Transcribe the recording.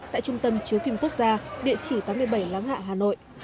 tại trung tâm chứa phim quốc gia địa chỉ tám mươi bảy láng hạ hà nội